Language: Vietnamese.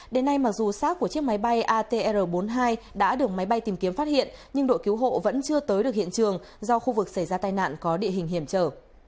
đến nay mặc dù xác của chiếc máy bay atr bốn mươi hai đã được máy bay tìm kiếm phát hiện nhưng đội cứu hộ vẫn chưa tới được hiện trường do khu vực xảy ra tai nạn có địa hình hiểm trở